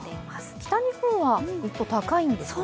北日本は一方、高いんですね？